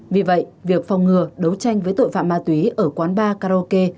vì vậy việc phòng ngừa đấu tranh với tội phạm ma túy ở quán bar karaoke